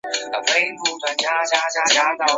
出生于宾夕法尼亚州的布卢姆斯堡。